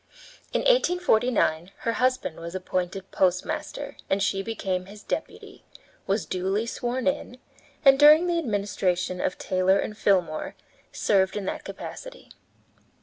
In 1849 her husband was appointed postmaster, and she became his deputy, was duly sworn in, and, during the administration of Taylor and Fillmore, served in that capacity.